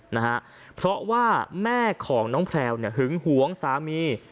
นะฮะเพราะว่าแม่ของน้องแพลวเนี่ยหึงหวงสามี